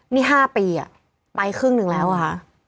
นี่๕ปีอ่ะไปครึ่งนึงแล้วค่ะ